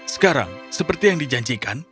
sekarang seperti yang dijanjikan